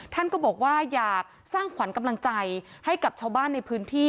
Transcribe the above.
ท่านก็บอกว่าอยากสร้างขวัญกำลังใจให้กับชาวบ้านในพื้นที่